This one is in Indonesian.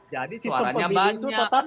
jadi suaranya banyak